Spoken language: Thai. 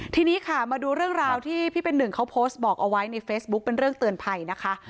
ทีนี้ค่ะมาดูเรื่องราวที่พี่เป็นหนึ่งเขาโพสต์บอกเอาไว้ในเฟซบุ๊คเป็นเรื่องเตือนภัยนะคะ